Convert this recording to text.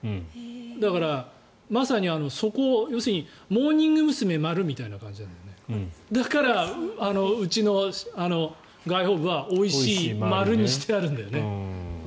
だから、まさに要するにモーニング娘。みたいな感じでだから、うちの外報部は「おいしい。」にしてあるんだよね。